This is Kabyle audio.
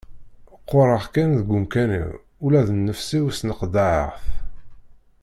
Qqureɣ kan deg umkan-iw ula d nnefs-iw sneqḍaɛeɣ-t.